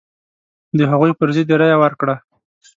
د هغوی پر ضد یې رايه ورکړه.